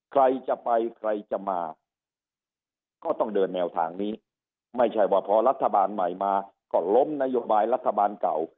ใครจะไปใครจะมาก็ต้องเดินแนวทางนี้ไม่ใช่ว่าพอรัฐบาลใหม่มาก็ล้มนโยบายรัฐบาลเก่า